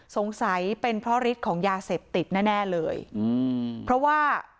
สงสัยเป็นเพราะฤทธิ์ของยาเสพติดแน่แน่เลยอืมเพราะว่า